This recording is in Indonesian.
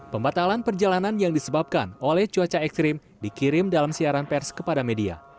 pembatalan perjalanan yang disebabkan oleh cuaca ekstrim dikirim dalam siaran pers kepada media